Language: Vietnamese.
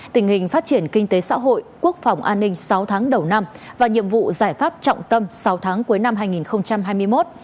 tình hình phát triển kinh tế xã hội quốc phòng an ninh sáu tháng đầu năm và nhiệm vụ giải pháp trọng tâm sáu tháng cuối năm hai nghìn hai mươi một